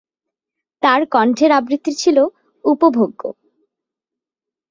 তার কণ্ঠের আবৃত্তি ছিল উপভোগ্য।